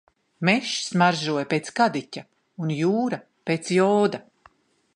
Mežs smaržoja pēc kadiķa un jūra pēc joda.